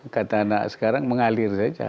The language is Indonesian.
kata anak sekarang mengalir saja